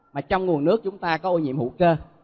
mà trong nguồn nước chúng ta có ô nhiễm hữu cơ